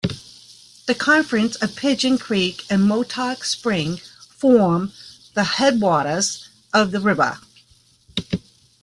The confluence of Pigeon Creek and Montauk Spring form the headwaters of the river.